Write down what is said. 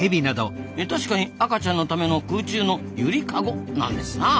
確かに赤ちゃんのための空中の「ゆりかご」なんですなあ。